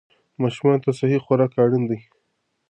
ماشومان ته صحي خوراک اړین دی.